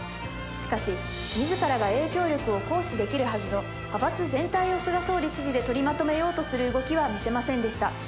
しかし、みずからが影響力を行使できるはずの派閥全体を菅総理支持で取りまとめようとする動きは見せませんでした。